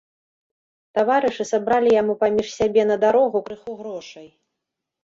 Таварышы сабралі яму паміж сябе на дарогу крыху грошай.